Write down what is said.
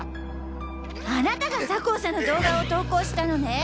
あなたが酒匂さんの動画を投稿したのね！？